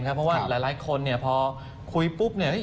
เพราะว่าหลายคนพอคุยปุ๊บ